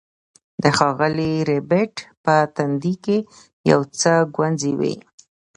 د ښاغلي ربیټ په تندي کې یو څه ګونځې وې